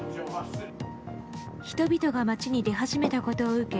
人々が街に出始めたことを受け